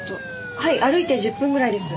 はい歩いて１０分ぐらいです。